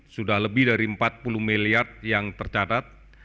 sudah lebih dari empat puluh miliar yang tercatat